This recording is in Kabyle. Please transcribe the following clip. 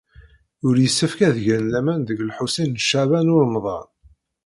Ur yessefk ad gen laman deg Lḥusin n Caɛban u Ṛemḍan.